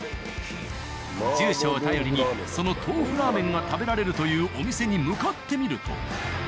住所を頼りにその豆腐ラーメンが食べられるというお店に向かってみると。